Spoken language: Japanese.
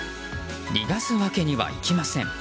逃がすわけにはいきません。